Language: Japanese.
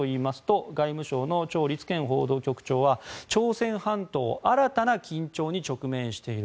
外務省のチョウ・リツケン副報道局長は朝鮮半島新たな緊張に直面している。